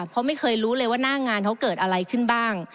เพราะไม่เคยรู้เลยว่าหน้างานเขาเกิดอะไรขึ้นบ้าง